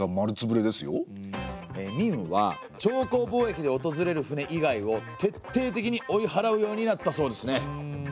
明は朝貢貿易でおとずれる船以外を徹底的に追い払うようになったそうですね。